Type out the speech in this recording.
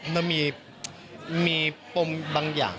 มันมีปมบางอย่าง